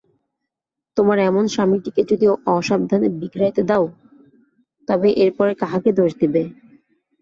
তোমার এমন স্বামীটিকে যদি অসাবধানে বিগড়াইতে দাও, তবে এর পরে কাহাকে দোষ দিবে?